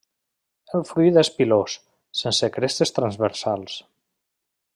El fruit és pilós, sense crestes transversals.